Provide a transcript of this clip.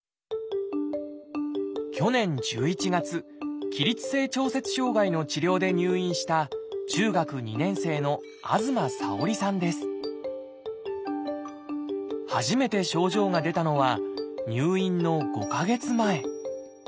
去年１１月起立性調節障害の治療で入院した中学２年生の初めて症状が出たのは入院の５か月前。